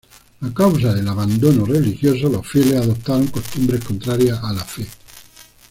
A causa del abandono religioso, los fieles adoptaron costumbres contrarias a la fe.